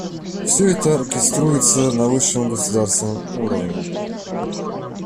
Все это оркеструется на высшем государственном уровне.